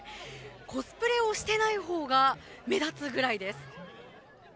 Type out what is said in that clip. コスプレをしていないほうが目立つぐらいです。